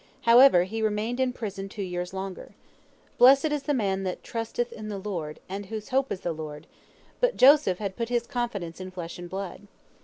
However, he remained in prison two years longer. "Blessed is the man that trusteth in the Lord, and whose hope is the Lord," but Joseph had put his confidence in flesh and blood.